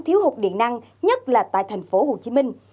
thiếu hụt điện năng nhất là tại thành phố hồ chí minh